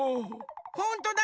ほんとだ！